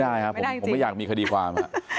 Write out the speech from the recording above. ได้ครับผมไม่อยากมีคดีความ